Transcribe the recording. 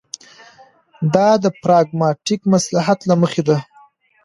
دا د پراګماټیک مصلحت له مخې ده.